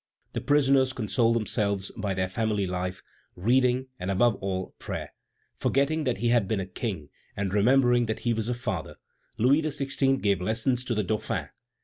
The prisoners consoled themselves by their family life, reading, and, above all, prayer. Forgetting that he had been a king, and remembering that he was a father, Louis XVI. gave lessons to the Dauphin.